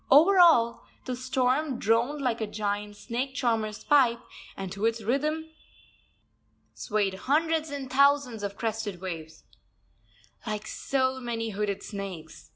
Over all, the storm droned like a giant snake charmer's pipe, and to its rhythm swayed hundreds and thousands of crested waves, like so many hooded snakes.